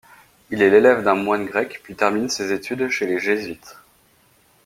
Il est l’élève d'un un moine grec, puis termine ses études chez les jésuites.